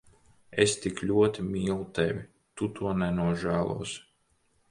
Es tik ļoti mīlu tevi. Tu to nenožēlosi.